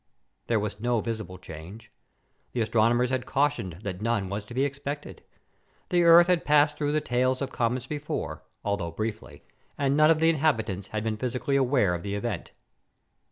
There was no visible change. The astronomers had cautioned that none was to be expected. The Earth had passed through the tails of comets before, although briefly, and none of the inhabitants had been physically aware of the event.